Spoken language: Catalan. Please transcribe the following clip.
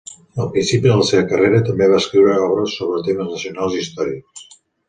Al principi de la seva carrera també va escriure obres sobre temes nacionals i històrics.